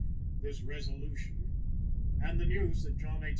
This resolution, and the news that John H.